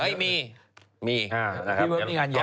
พี่เบิ๊กมีงานใหญ่